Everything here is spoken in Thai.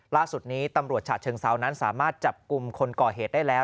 ล่าสุดนี้ตำรวจฉะเชิงเซานั้นสามารถจับกลุ่มคนก่อเหตุได้แล้ว